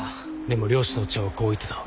でも漁師のオッチャンはこう言ってた。